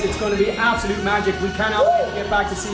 kita tidak bisa lupa untuk melihat kalian semua